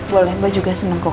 boleh mbak juga seneng kok